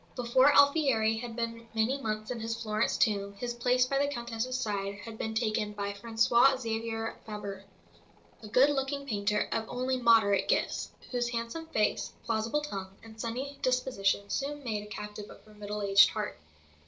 Before Alfieri had been many months in his Florence tomb his place by the Countess's side had been taken by François Xavier Fabre, a good looking painter of only moderate gifts, whose handsome face, plausible tongue, and sunny disposition soon made a captive of her middle aged heart.